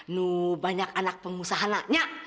nu banyak anak pengusahana